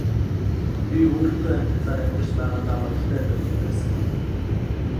Би өөрийнхөө амьдралаар амьдарч байгаадаа баяртай байдаг байсан.